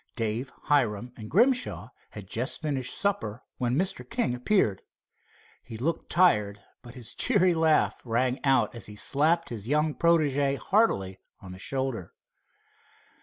Dave, Hiram and Grimshaw had just finished supper when Mr. King appeared. He looked tired, but his cheery laugh rang out as he slapped his young protege heartily on the shoulder.